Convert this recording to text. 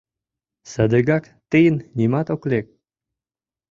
Садыгак тыйын нимат ок лек!